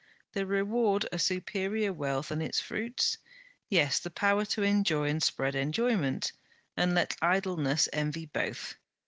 The reward a superior wealth and its fruits? Yes, the power to enjoy and spread enjoyment: and let idleness envy both!